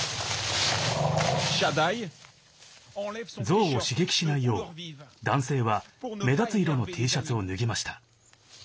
ゾウを刺激しないよう、男性は目立つ色のＴシャツを脱ぎました。